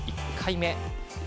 １回目。